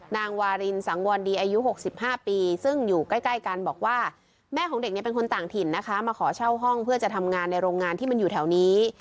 นางวารินสังวรดีอายุ๖๕ปีซึ่งอยู่ใกล้กันบอกว่าแม่ของเด็กเนี่ยเป็นคนต่างถิ่นนะคะมาขอเช่าห้องเพื่อจะทำงานในโรงงานที่มันอยู่แถวนี้